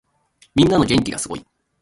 みんなの元気がすごい。